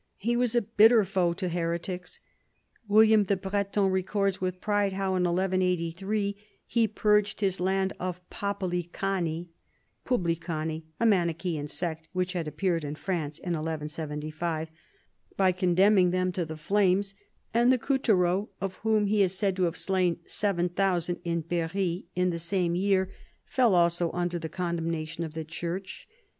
He was a bitter foe to heretics. William the Breton records with pride how in 1183 he purged his land of " Popelicani " (publicani, a Manichean sect which had appeared in France in 1175), by condemning them to the flames; and the Couteraux, of whom he is said to have slain seven thousand in Berry in the same year, fell also under the condemnation of the Church.